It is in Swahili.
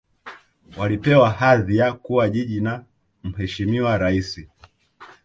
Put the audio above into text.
walipewa hadhi ya kuwa jiji na mheshimiwa rais